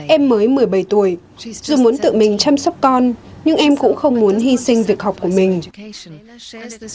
em mới một mươi bảy tuổi dù muốn tự mình chăm sóc con nhưng em cũng không muốn hy sinh việc học của mình